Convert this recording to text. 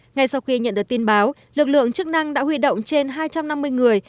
ngay sau khi nhận được tin báo lực lượng chức năng đã huy động trên hai trăm năm mươi người